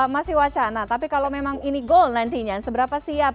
masih wacana tapi kalau memang ini goal nantinya seberapa siap